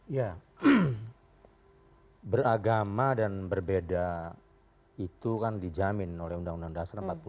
ya beragama dan berbeda itu kan dijamin oleh undang undang dasar empat puluh lima